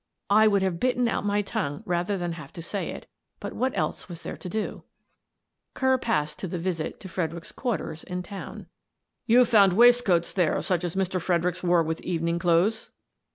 I would have bitten out my tongue rather than have to say it, but what else was there to do? Kerr passed to the visit to Fredericks's quarters in town. 178 Miss Frances Baird, Detective " You found waistcoats there such as Mr. Fred ericks wore with evening clothes